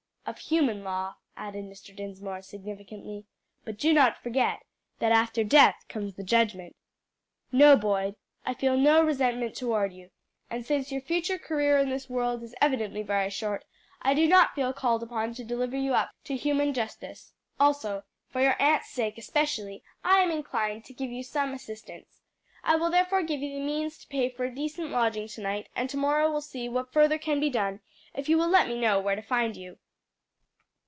"Of human law," added Mr. Dinsmore significantly, "but do not forget that after death comes the judgment. No, Boyd; I feel no resentment toward you, and since your future career in this world is evidently very short, I do not feel called upon to deliver you up to human justice. Also, for your aunt's sake especially, I am inclined to give you some assistance. I will therefore give you the means to pay for a decent lodging to night, and to morrow will see what further can be done, if you will let me know where to find you."